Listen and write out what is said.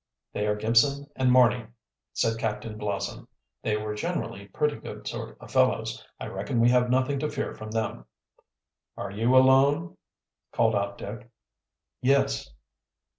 "They are Gibson and Marny," said Captain Blossom. "They were generally pretty good sort of fellows. I reckon we have nothing to fear from them." "Are you alone?" called out Dick. "Yes."